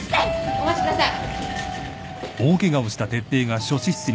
お待ちください。